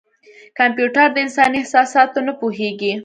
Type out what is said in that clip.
کمپیوټر د انساني احساساتو نه پوهېږي.